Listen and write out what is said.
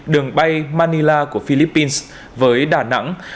đường bay manila của philippines với đà nẵng